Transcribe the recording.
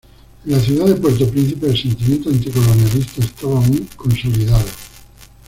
En la ciudad de Puerto Príncipe el sentimiento anticolonialista estaba muy consolidado.